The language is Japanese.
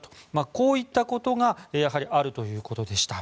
こういったことがあるということでした。